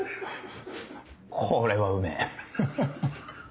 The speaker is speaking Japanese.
これはうめぇ。